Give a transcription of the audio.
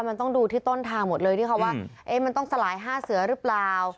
มันต้องดูที่ต้นทางหมดเลยที่เขาว่ามันต้องสลาย๕เสือหรือเปล่า